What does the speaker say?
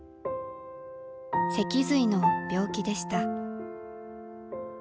脊髄の病気でした。